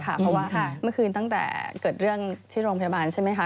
เพราะว่าเมื่อคืนตั้งแต่เกิดเรื่องที่โรงพยาบาลใช่ไหมคะ